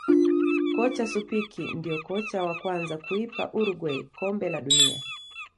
Kocha Suppici ndio kocha wa kwanza kuipa uruguay kombe la dunia